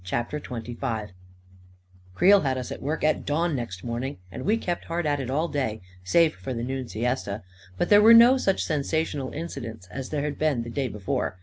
CHAPTER XXV Creel had us at work at dawn next morning, and we kept hard at it all day, save for the noon siesta ; but there were no such sensational incidents as there had been the day before.